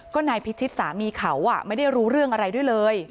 ก็นายพิชิตสามีเขาไม่ได้รู้เรื่องอะไรด้วยเลย